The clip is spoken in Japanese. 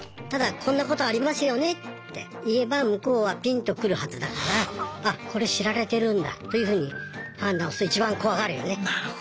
ただこんなことありますよねって言えば向こうはピンと来るはずだからあこれ知られてるんだというふうに判断を一番怖がるよね。